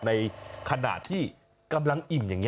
ในขณะที่กำลังอิ่มอย่างนี้